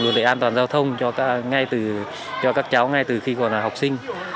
luật lệ an toàn giao thông cho các cháu ngay từ khi còn là học sinh